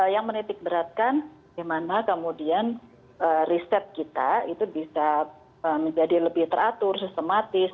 yang menitik beratkan bagaimana kemudian riset kita itu bisa menjadi lebih teratur sistematis